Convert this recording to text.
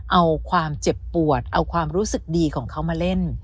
เอาความเจ็บปวดเอาความรู้สึกดีของเขามาเล่น